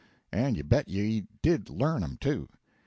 And you bet you he did learn him, too.